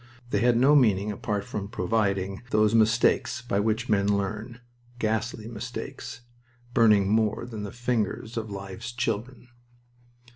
They had no meaning apart from providing those mistakes by which men learn; ghastly mistakes, burning more than the fingers of life's children.